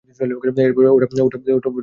ওটা দেখতে কেমন?